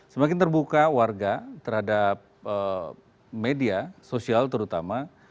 semakin terbuka warga terhadap media sosial terutama